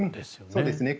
そうですね。